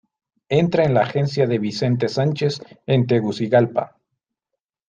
Entra en la agencia de Vicente Sánchez en Tegucigalpa.